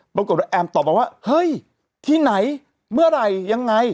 ปรากฏว่าแอมตอบมาว่าเฮ้ยที่ไหนเมื่อไหร่ยังไง